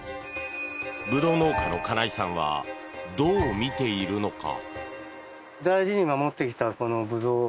ブドウ農家の金井さんはどう見ているのか？